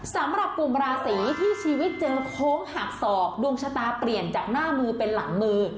สำหรับกลุ่มราศีที่ชีวิตเจอโค้งหักศอกดวงชะตาเปลี่ยนจากหน้ามือเป็นหลังมือ